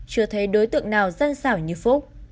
chưa thấy đối tượng nào gian xảo như phúc